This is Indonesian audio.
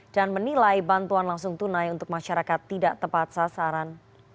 dan menilai bantuan langsung tunai untuk masyarakat tidak tepat sasaran